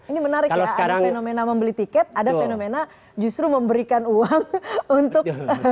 ini menarik ya ada fenomena membeli tiket ada fenomena justru memberikan uang untuk